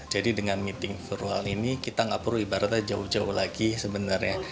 jadi dengan meeting virtual ini kita nggak perlu ibaratnya jauh jauh lagi sebenarnya